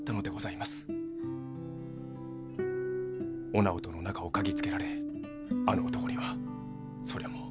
お直との仲をかぎつけられあの男にはそりゃもう。